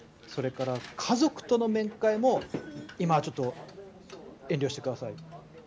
それから家族との面会も今はちょっと遠慮してください。